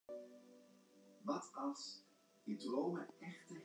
De abdij is fierstente grut foar de njoggen muontsen dy't der noch sitte.